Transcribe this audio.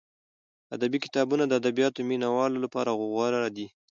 ادبي کتابونه د ادبیاتو مینه والو لپاره غوره دي.